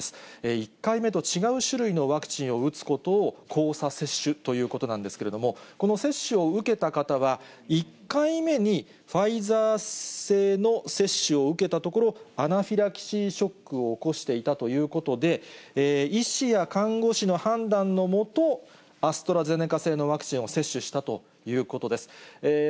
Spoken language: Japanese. １回目と違う種類のワクチンを打つことを交差接種ということなんですけれども、この接種を受けた方は、１回目にファイザー製の接種を受けたところ、アナフィラキシーショックを起こしていたということで、医師や看護師の判断のもと、アストラゼネカ製のワクチンを接種したということです。